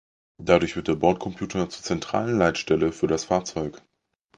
Dadurch wird der Bordcomputer zur zentralen Leitstelle für das Fahrzeug.